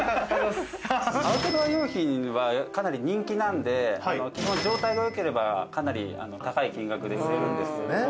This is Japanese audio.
アウトドア用品はかなり人気なんで基本状態が良ければかなり高い金額で売れるんですけども。